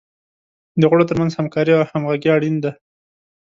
د غړو تر منځ همکاري او همغږي اړین دی.